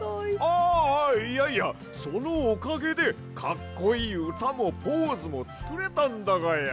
あいやいやそのおかげでかっこいいうたもポーズもつくれたんだがや！